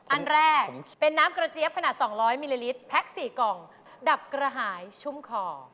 อันแรกเป็นน้ำกระเจี๊ยบขนาด๒๐๐มิลลิลิตรแพ็ค๔กล่องดับกระหายชุ่มคอ